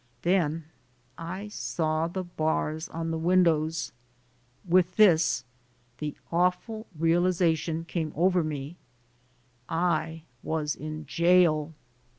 Then I saw the bars in the windows. With this the awful realization came over me : I was in jail.